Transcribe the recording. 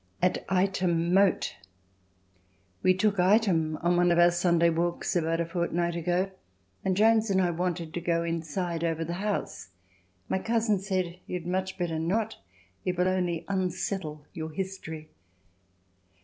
At Ightham Mote We took Ightham on one of our Sunday walks about a fortnight ago, and Jones and I wanted to go inside over the house. My cousin said, "You'd much better not, it will only unsettle your history."